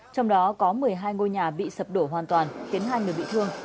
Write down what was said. trong đó có một mươi hai ngôi nhà bị sập đổ hoàn toàn khiến hai người bị thương